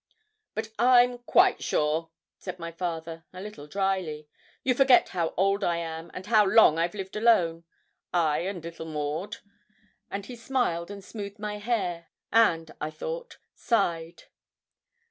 'But I'm quite sure,' said my father, a little drily. 'You forget how old I am, and how long I've lived alone I and little Maud;' and he smiled and smoothed my hair, and, I thought, sighed.